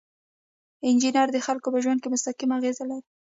انجینر د خلکو په ژوند مستقیمه اغیزه لري.